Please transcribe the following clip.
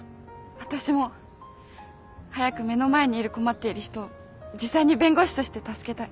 私も早く目の前にいる困っている人を実際に弁護士として助けたい。